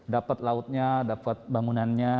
dapat lautnya dapat bangunannya